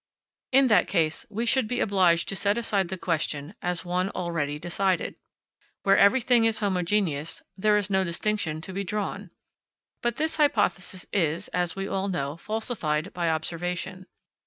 In that case we should be obliged to set aside the question as one already decided. Where everything is homogeneous, there is no distinction to be drawn. But this hypothesis is, as we all know, falsified by observation.